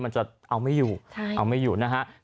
มันจะเอาไม่อยู่